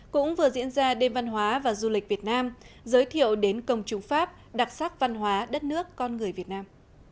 cũng vừa diễn ra đêm văn hóa và du lịch việt nam giới thiệu đến công chúng pháp đặc sắc văn hóa đất nước con người việt nam